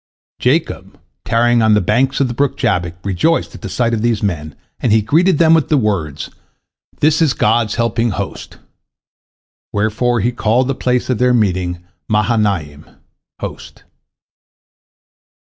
Jacob, tarrying on the banks of the brook Jabbok, rejoiced at the sight of these men, and he greeted them with the words, "This is God's helping host," wherefore he called the place of their meeting Mahanaim, Host.